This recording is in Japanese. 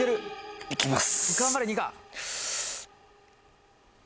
「いきます」